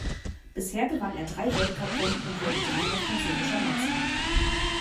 Bisher gewann er drei Weltcuprennen und wurde dreimal Französischer Meister.